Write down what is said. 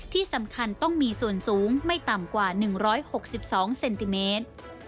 ที่สำคัญต้องมีส่วนสูงไม่ต่ำกว่า๑๖๒เซนติเมตร